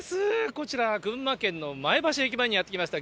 こちらは群馬県の前橋駅前にやって来ました。